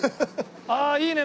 ああいいね！